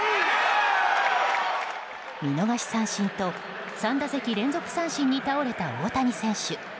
見逃し三振と３打席連続三振に倒れた大谷選手。